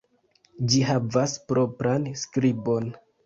Ĝi havas propran skribon.